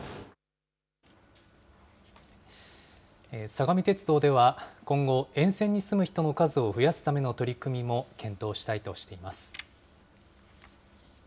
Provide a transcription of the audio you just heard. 相模鉄道では、今後、沿線に住む人の数を増やすための取り組みも検討したいとしています。